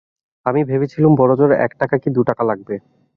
আমি ভেবেছিলুম, বড়ো জোর এক টাকা কি দু টাকা লাগবে।